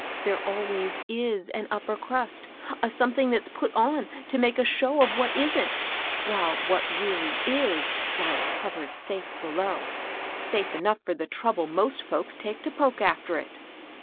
There always w an upper crust, — a some thing that's put on t?o make a show of what imh^ while what really is lies covered safe below, — safe enough for the trouble most folks take to poke after it.